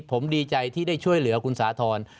ผมดีใจที่ได้ช่วยเหลือคุณสาธรณ์